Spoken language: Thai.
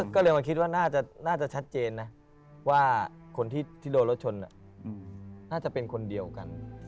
ก็เลยมาคิดว่าน่าจะชัดเจนนะว่าคนที่โดนรถชนน่าจะเป็นคนเดียวกัน